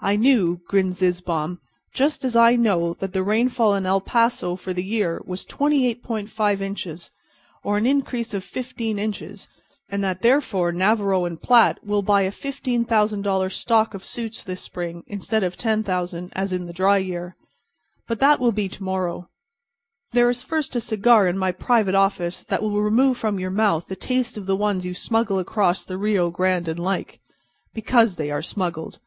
"I knew," grinned Zizzbaum, "just as I know that the rainfall in El Paso for the year was 28.5 inches, or an increase of 15 inches, and that therefore Navarro & Platt will buy a $15,000 stock of suits this spring instead of $10,000, as in a dry year. But that will be to morrow. There is first a cigar in my private office that will remove from your mouth the taste of the ones you smuggle across the Rio Grande and like—because they are smuggled."